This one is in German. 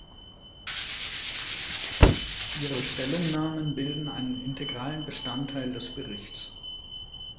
Ihre Stellungnahmen bilden einen integralen Bestandteil des Berichts.